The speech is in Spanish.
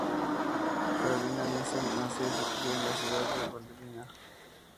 Carolina Nissen nació y se crio en la ciudad de Valdivia.